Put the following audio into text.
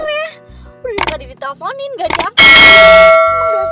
udah di mana tadi diteleponin gak diangkat